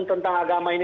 tentang agama ini